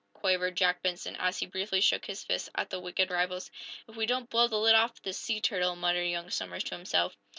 quavered Jack Benson, as he briefly shook his fist back at the wicked rivals. "If we don't blow the lid off this sea turtle!" muttered young Somers, to himself.